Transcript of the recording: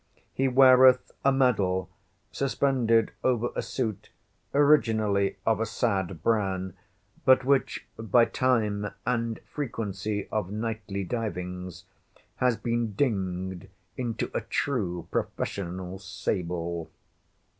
He weareth a medal, suspended over a suit, originally of a sad brown, but which, by time, and frequency of nightly divings, has been dinged into a true professional sable.